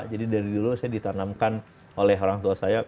jadi dari dulu saya ditanamkan oleh orang tua saya